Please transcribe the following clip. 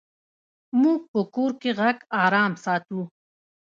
موږ په کور کې غږ آرام ساتو.